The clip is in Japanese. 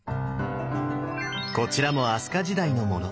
こちらも飛鳥時代のもの。